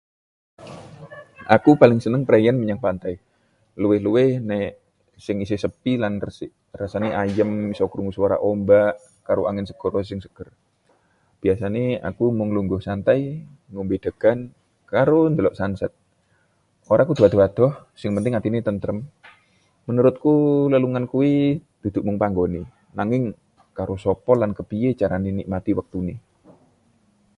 Aku paling seneng preian menyang pantai, luwih-luwih nek sing isih sepi lan resik. Rasane ayem, isa krungu swara ombak karo angin segara sing seger. Biasane aku mung lungguh santai, ngombe degan, karo ndelok sunset. Ora kudu adoh-adoh, sing penting atine tentrem. Menurutku, lelungan kuwi dudu mung panggonane, nanging karo sapa lan kepiye carane nikmati waktune.